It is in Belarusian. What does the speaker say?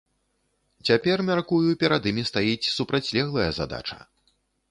Цяпер, мяркую, перад імі стаіць супрацьлеглая задача.